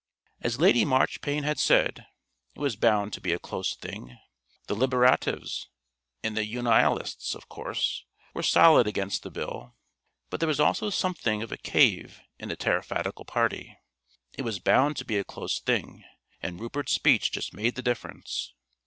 As Lady Marchpane had said, it was bound to be a close thing. The Liberatives and the Unialists, of course, were solid against the Bill, but there was also something of a cave in the Tariffadical Party. It was bound to be a close thing, and Rupert's speech just made the difference.